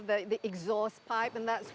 ketika kita melihat mobil